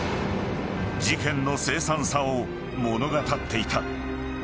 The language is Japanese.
［事件の凄惨さを物語っていた］